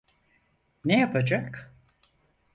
Ne yapacak?